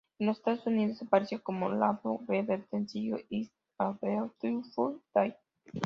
En los Estados Unidos apareció como lado B del sencillo "It's a Beautiful Day".